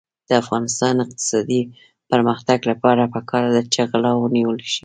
د افغانستان د اقتصادي پرمختګ لپاره پکار ده چې غلا ونیول شي.